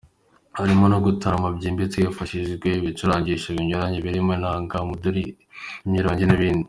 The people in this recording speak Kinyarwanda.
Harimo no gutarama byimbitse, hifashishijwe ibicurangisho binyuranye birimo inanga, umuduli, imyirongi n’ibindi.